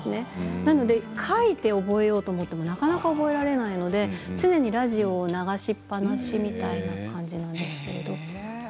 なので書いて覚えようと思ってもなかなか覚えられないので常にラジオを流しっぱなしみたいな感じで。